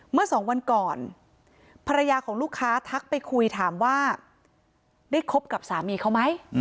เมื่อสองวันก่อนภรรยาของลูกค้าทักไปคุยถามว่าได้คบกับสามีเขาไหม